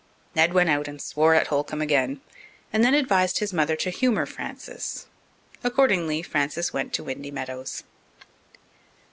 Ned went out and swore at Holcomb again, and then advised his mother to humour Frances. Accordingly, Frances went to Windy Meadows.